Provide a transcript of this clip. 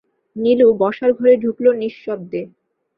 নীলু বসার ঘরে ঢুকল নিঃশব্দে।